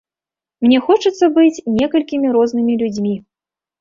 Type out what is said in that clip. Мне хочацца быць некалькімі рознымі людзьмі.